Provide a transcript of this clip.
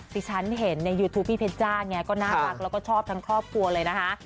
ที่ฉันเห็นในยูทูปพี่เพชจ้าไงก็น่ารักแล้วก็ชอบทั้งครอบครัวเลยนะคะ